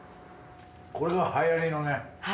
これが流行りのね。